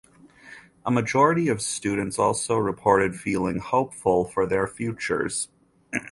A majority of students also reported feeling hopeful for their futures.